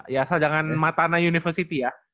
ya asal jangan matana university ya